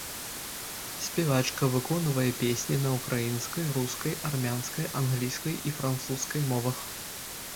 Спявачка выконвае песні на ўкраінскай, рускай, армянскай, англійскай і французскай мовах.